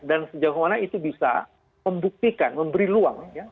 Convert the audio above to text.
dan sejauh mana itu bisa membuktikan memberi luang